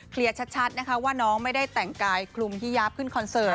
ชัดนะคะว่าน้องไม่ได้แต่งกายคลุมฮิยาปขึ้นคอนเสิร์ต